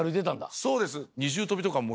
そうです。え！？